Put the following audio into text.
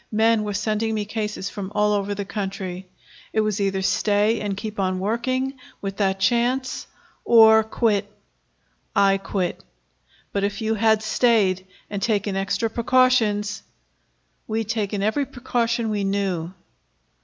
Men were sending me cases from all over the country. It was either stay and keep on working, with that chance, or quit. I quit." "But if you had stayed, and taken extra precautions " "We'd taken every precaution we knew."